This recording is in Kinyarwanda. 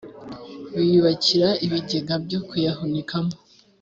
biyubakira ibigega byo kuyahunikamo